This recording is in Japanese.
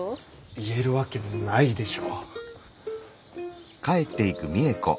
言えるわけないでしょ。